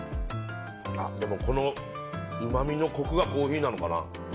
このうまみのコクがコーヒーなのかな。